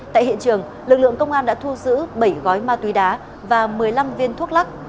tại hiện trường lực lượng công an đã thu giữ bảy gói ma túy đá và một mươi năm viên thuốc lắc